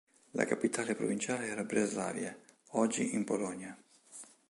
La capitale provinciale era Breslavia, oggi in Polonia.